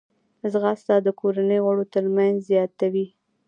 ځغاسته د کورنۍ غړو ترمنځ مینه زیاتوي